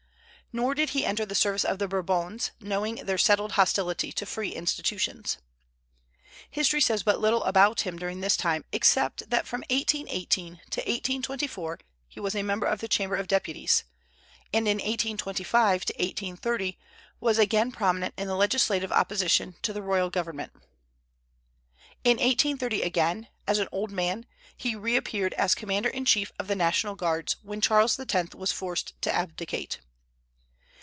Nor did he enter the service of the Bourbons, knowing their settled hostility to free institutions. History says but little about him during this time, except that from 1818 to 1824 he was a member of the Chamber of Deputies, and in 1825 to 1830 was again prominent in the legislative opposition to the royal government. In 1830 again, as an old man, he reappeared as commander in chief of the National Guards, when Charles X. was forced to abdicate.